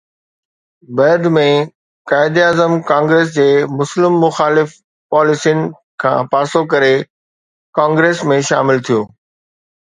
بعد ۾ قائداعظم ڪانگريس جي مسلم مخالف پاليسين کان پاسو ڪري ڪانگريس ۾ شامل ٿيو.